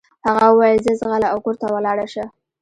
هغه وويل ځه ځغله او کور ته ولاړه شه.